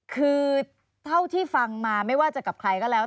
คือเท่าที่ฟังมาไม่ว่าจะกับใครก็แล้ว